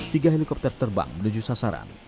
tiga helikopter terbang menuju sasaran